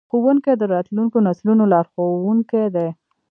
ښوونکي د راتلونکو نسلونو لارښوونکي دي.